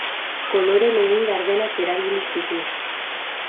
Kolore leun gardenak erabili zituen.